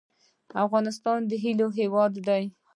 افغانستان د هیلو هیواد دی